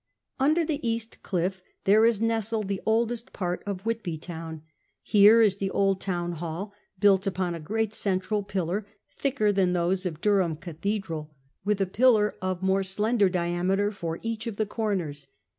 Under the cast clifi* there is nestled the oldest part of Whitby town ; here is tlic old town hall, built ujion a great eeiitrul jiillar, thicker than those of Durham Cathedral, with a pillar of more slender diameter for each of the corners.